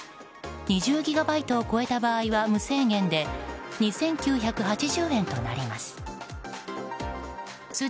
２０ギガバイトを超えた場合は無制限で２９８０円となります。